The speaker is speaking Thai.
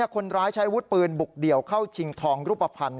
คนร้ายใช้วุฒิปืนบุกเดี่ยวเข้าชิงทองรูปภัณฑ์